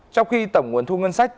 trong khi tổng nguồn thu ngân sách